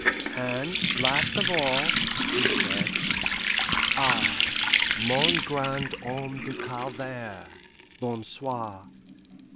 "And last of all, he said, 'Ah, mon grand homme de Calvaire bon soir!